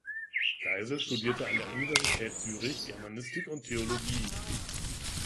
Geisel studierte an der Universität Zürich Germanistik und Theologie.